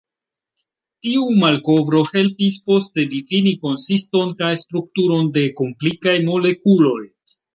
Tiu malkovro helpis poste difini konsiston kaj strukturon de komplikaj molekuloj.